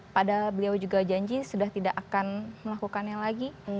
padahal beliau juga janji sudah tidak akan melakukannya lagi